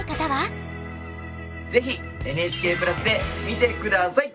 ぜひＮＨＫプラスで見て下さい！